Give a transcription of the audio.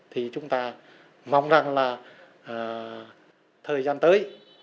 thì chúng ta mong rằng là thời gian tới